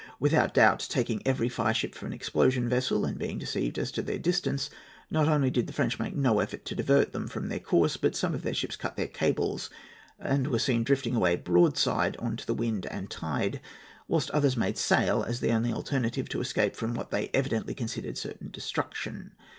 Without doubt, taking every fireship for an explosion vessel, and being deceived as to their distance, not only did the French make no effort to divert them from their course, but some of their ships cut their cables and were seen drifting away broadside on to the wind and tide, whilst others made sail, as the only alternative to escape from what they evidently considered certain destruction.